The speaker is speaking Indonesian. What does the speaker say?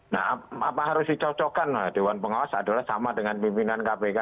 nah apa harus dicocokkan dewan pengawas adalah sama dengan pimpinan kpk